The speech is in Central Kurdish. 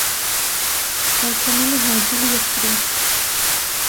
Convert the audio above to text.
ھاوتەمەن و ھاوجیلی یەکترین